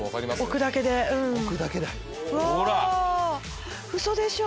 置くだけでうん・置くだけだうわウソでしょ？